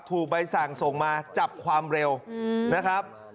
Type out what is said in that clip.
ถูกใบสั่งส่งมาจับความเร็วนะครับ